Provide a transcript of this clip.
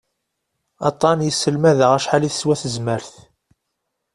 Aṭṭan yesselmad-aɣ acḥal i teswa tezmert.